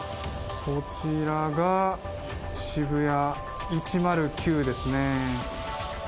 こちらが渋谷１０９ですね。